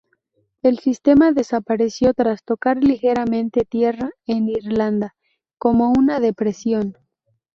El sistema desapareció tras tocar ligeramente tierra en Irlanda como una depresión.